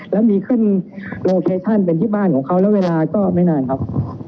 แล้วมีขึ้นโลเคชั่นเป็นที่บ้านของเขาแล้วเวลาก็ไม่นานครับ